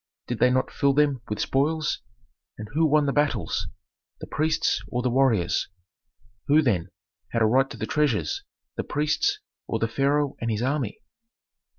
Did they not fill them with spoils? And who won the battles? The priests, or the warriors? Who, then, had a right to the treasures, the priests, or the pharaoh and his army?"